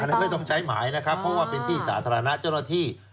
อันนี้ไม่ต้องใช้หมายนะครับเพราะว่าเป็นที่สาธารณะเจ้าหน้าที่